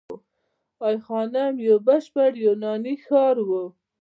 ای خانم یو بشپړ یوناني ښار و